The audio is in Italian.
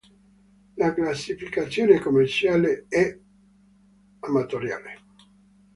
Le classificazione commerciale è 素人 amatoriale.